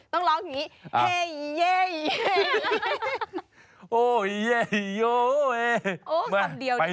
ต้องร้องอย่างนี้